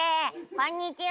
こんにちは。